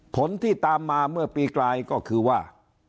ผลที่ตามมาเมื่อปีกลายก็คือว่า